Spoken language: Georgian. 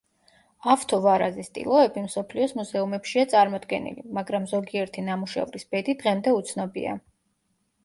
ავთო ვარაზის ტილოები მსოფლიოს მუზეუმებშია წარმოდგენილი, მაგრამ ზოგიერთი ნამუშევრის ბედი დღემდე უცნობია.